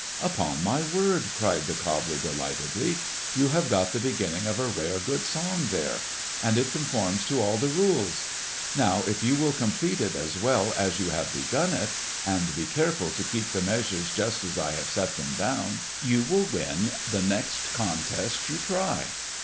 "Upon my word!" cried the cobbler delightedly. "You have got the beginning of a rare good song there! And it conforms to all the rules! Now if you will complete it as well as you have begun it, and be careful to keep the measures just as I have set them down, you will win the next contest you try."